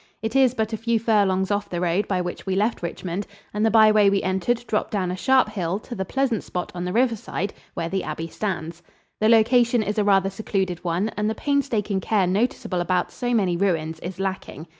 It is but a few furlongs off the road by which we left Richmond and the byway we entered dropped down a sharp hill to the pleasant spot on the riverside, where the abbey stands. The location is a rather secluded one and the painstaking care noticeable about so many ruins is lacking.